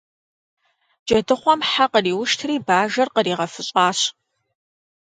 Джэдыхъуэм хьэ къриуштри Бажэр къригъэфыщӀащ.